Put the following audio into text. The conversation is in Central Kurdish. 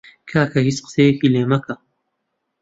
کاکە هیچ قسەی لێ مەکە!